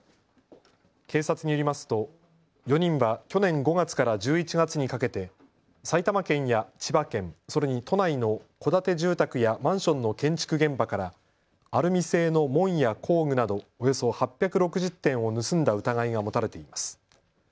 警察によりますと４人は去年５月から１１月にかけて埼玉県や千葉県、それに都内の戸建て住宅やマンションの建築現場からアルミ製の門や工具などおよそ８６０点を盗んだ疑いが持たれています。